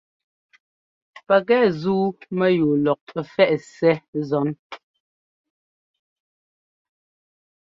Pɛkɛ zúu mɛyúu lɔk ɛ́fɛꞌ Ssɛ́ zɔ́n.